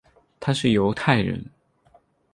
他是犹太人。